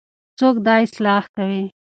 څوک دا اصلاح کوي؟